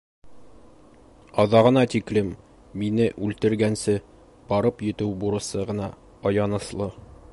Аҙағына тиклем, мине үлтергәнсе барып етеү бурысы ғына аяныслы.